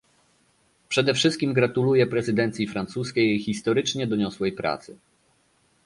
Przede wszystkim gratuluję prezydencji francuskiej jej historycznie doniosłej pracy